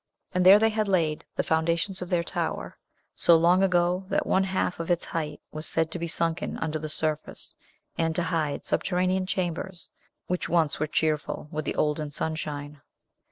And there they had laid the foundations of their tower, so long ago that one half of its height was said to be sunken under the surface and to hide subterranean chambers which once were cheerful with the olden sunshine.